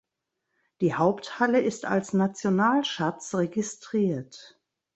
Die Haupthalle ist als Nationalschatz registriert.